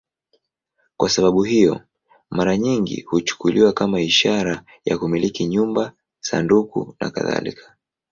Kwa sababu hiyo, mara nyingi huchukuliwa kama ishara ya kumiliki nyumba, sanduku nakadhalika.